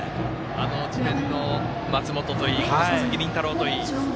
智弁の松本といい佐々木麟太郎といい。